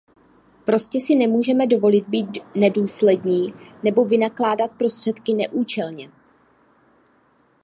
Prostě si nemůžeme dovolit být nedůslední nebo vynakládat prostředky neúčelně.